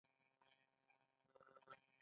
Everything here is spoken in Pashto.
اسلام د اوومې پیړۍ په شاوخوا کې راغی